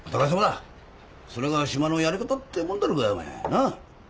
それが島のやり方ってもんだろうがお前なっ。